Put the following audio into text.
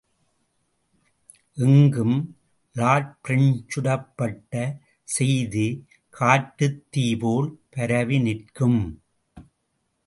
எங்கும் லார்ட்பிரெஞ்ச்சுடப்பட்ட செய்தி காட்டுத்தீ போல் பரவிநிற்கும்.